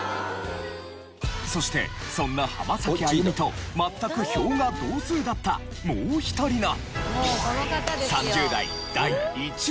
そしてそんな浜崎あゆみと全く票が同数だったもう１人が。